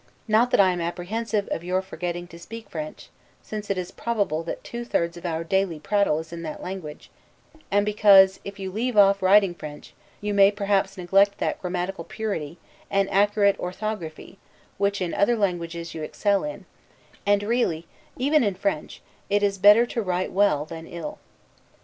Not that I am apprehensive of your forgetting to speak French: since it is probable that two thirds of our daily prattle is in that language; and because, if you leave off writing French, you may perhaps neglect that grammatical purity, and accurate orthography, which, in other languages, you excel in; and really, even in French, it is better to write well than ill.